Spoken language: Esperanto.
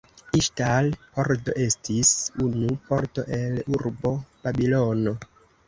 Iŝtar-pordo estis unu pordo el urbo Babilono.